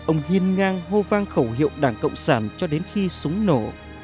ông hiên ngang hô vang khẩu hiệu đảng cộng sản cho đến khi súng nổ